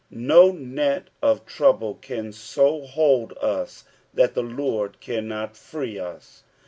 No net of trouble can bo hold, us that the Lord cannot free us.